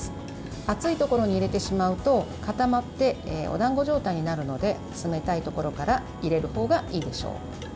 熱いところに入れてしまうと固まっておだんご状態になるので冷たいところから入れる方がいいでしょう。